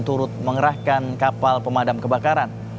dan turut mengerahkan kapal pemadam kebakaran